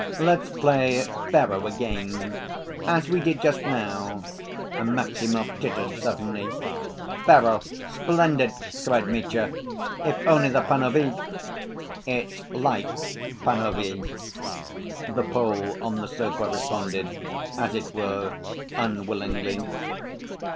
"Let's play faro again, as we did just now," Maximov tittered suddenly. "Faro? Splendid!" cried Mitya. "If only the panovie—" "It's lite, panovie," the Pole on the sofa responded, as it were unwillingly.